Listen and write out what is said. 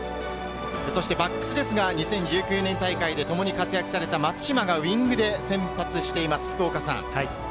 バックスは２０１９年大会でともに活躍された松島がウイングで先発しています。